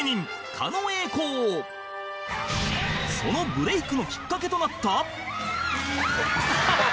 そのブレイクのきっかけとなった